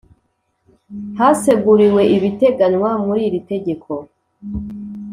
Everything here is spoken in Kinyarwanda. Haseguriwe ibiteganywa muri iri tegeko